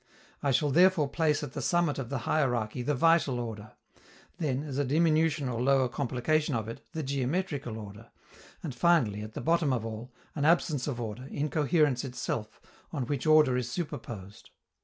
I shall therefore place at the summit of the hierarchy the vital order; then, as a diminution or lower complication of it, the geometrical order; and finally, at the bottom of all, an absence of order, incoherence itself, on which order is superposed.